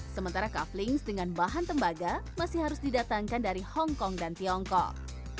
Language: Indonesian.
sementara kaveling dengan bahan tembaga masih harus didatangkan dari hong kong dan tiongkok